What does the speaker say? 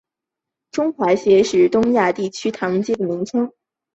中华街是东亚地区的唐人街的名称。